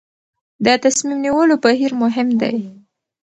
د تصمیم نیولو بهیر مهم دی